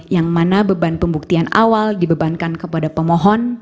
yang mana beban pembuktian awal dibebankan kepada pemohon